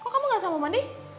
oh kamu gak sama mandi